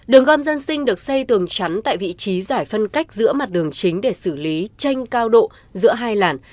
đường gom dân sinh được xây tường chắn tại vị trí giải phân cách giữa mặt đường chính để xử lý tranh cao độ giữa hai làn